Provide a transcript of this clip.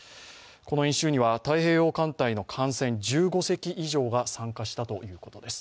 この演習には太平洋艦隊の艦船１５隻以上が参加したということです。